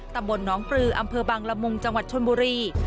ตำบลน้องปลืออำเภอบังละมุงจังหวัดชนบุรี